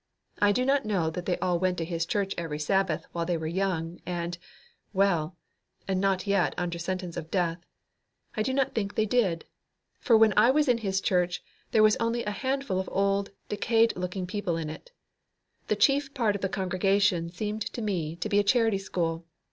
I do not know that they all went to his church every Sabbath while they were young and, well, and not yet under sentence of death. I do not think they did. For when I was in his church there was only a handful of old and decayed looking people in it. The chief part of the congregation seemed to me to be a charity school.